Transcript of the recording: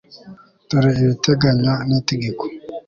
dore ibiteganywa n'itegeko